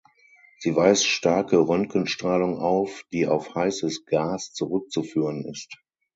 Sie weist starke Röntgenstrahlung auf, die auf heißes Gas zurückzuführen ist.